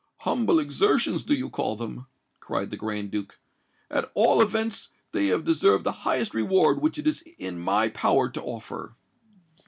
"Humble exertions do you call them!" cried the Grand Duke. "At all events they have deserved the highest reward which it is in my power to offer."